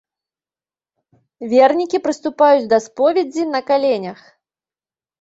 Вернікі прыступаюць да споведзі на каленях.